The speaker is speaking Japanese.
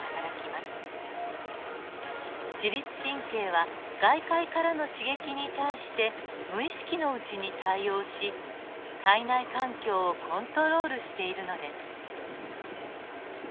自律神経は外界からの刺激に対して無意識のうちに対応し体内環境をコントロールしているのです。